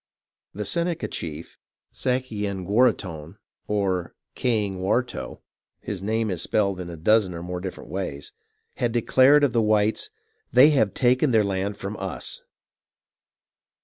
The Seneca chief Sayenguaraghton, or Kayingwaurto (his name is spelled in a dozen or more different ways), had declared of the whites — "they have taken their land from us."